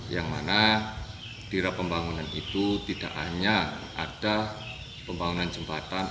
yang mana di rap pembangunan itu tidak hanya ada pembangunan jembatan